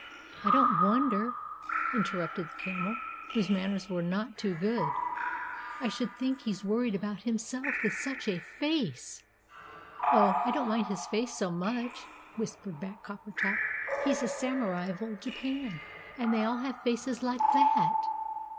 "I don't wonder," interrupted the Camel, whose manners were not too good. "I should think he's worried about himself, with such a face!" "Oh, I don't mind his face so much," whispered back Coppertop; "he's a Samurai of Old Japan, and they all have faces like that!"